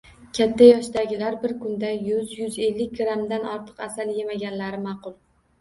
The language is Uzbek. Katta yoshdagilar bir kunda yuz-yuz ellik grammdan ortiq asal yemaganlari ma’qul.